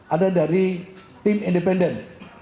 ada dari tim independen